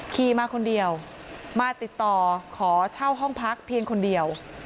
ขี่มาคนเดียวมาติดต่อขอเช่าห้องพักเพียงคนเดียว